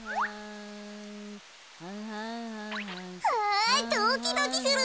あドキドキする！